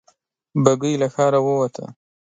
بګۍ له ښاره ووته.